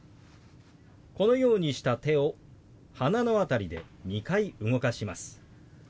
このようにした手を鼻の辺りで２回動かします。